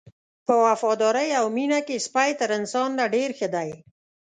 په وفادارۍ او مینه کې سپی تر انسان نه ډېر ښه دی.